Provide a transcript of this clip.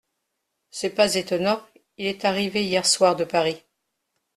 C’est pas étonnant, il est arrivé hier soir de Paris…